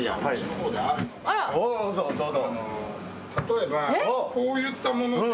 例えばこういったもので。